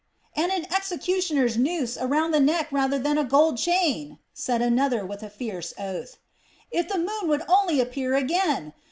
"And an executioner's noose round the neck rather than a gold chain!" said another with a fierce oath. "If the moon would only appear again!